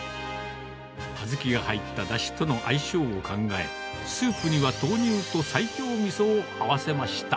小豆が入っただしとの相性を考え、スープには豆乳と西京みそを合わせました。